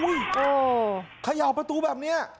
โอ้โหขยาวประตูแบบนี้